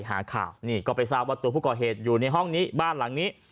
หาข่าวนี่ก็ไปทราบว่าตัวผู้ก่อเหตุอยู่ในห้องนี้บ้านหลังนี้